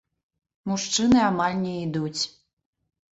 Мужчыны амаль не ідуць.